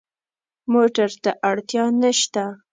موټر ته اړتیا نه شته.